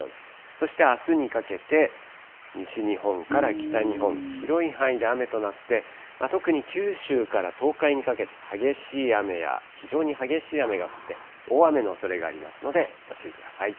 そしてあすにかけて、西日本から北日本、広い範囲で雨となって、特に九州から東海にかけて、激しい雨や非常に激しい雨が降って、大雨のおそれがありますのでご注意ください。